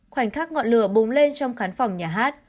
khoảnh khắc ngọn lửa bùng lên trong khán phòng nhà hát